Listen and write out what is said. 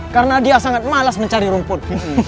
karena dia sangat malas mencari rumput